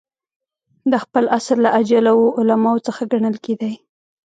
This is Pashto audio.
د خپل عصر له اجله وو علماوو څخه ګڼل کېدئ.